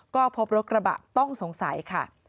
ก็พบรถกระบะต้องสงสัยค่ะ